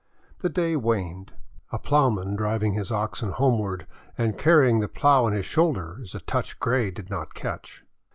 The day waned. A plowman driving his oxen homeward and carry ing the plow on his own shoulder is a touch Gray did not catch.